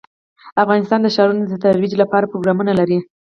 افغانستان د ښارونه د ترویج لپاره پروګرامونه لري.